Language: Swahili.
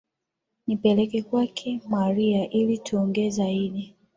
Nipeleke kwake mariah ili tuongee zaidi